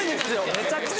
めちゃくちゃ！